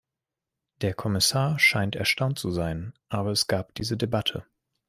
Der Kommissar scheint erstaunt zu sein, aber es gab diese Debatte.